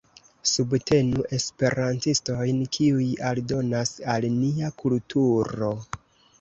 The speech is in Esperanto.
Subtenu esperantistojn, kiuj aldonas al nia kulturo.